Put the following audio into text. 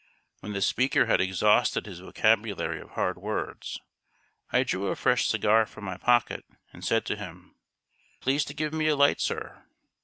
When the speaker had exhausted his vocabulary of hard words, I drew a fresh cigar from my pocket, and said to him, "Please to give me a light, sir."